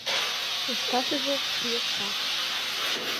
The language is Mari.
Лышташыже - ший окса.